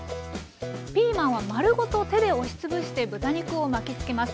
ピーマンは丸ごと手で押し潰して豚肉を巻きつけます。